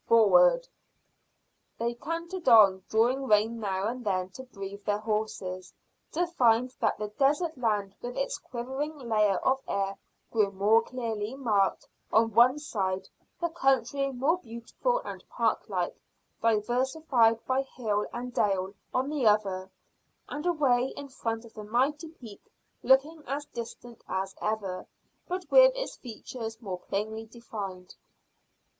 Forward!" They cantered on, drawing rein now and then to breathe their horses, to find that the desert land with its quivering layer of air grew more clearly marked on one side, the country more beautiful and park like, diversified by hill and dale, on the other, and away in front the mighty peak looking as distant as ever, but with its features more plainly defined.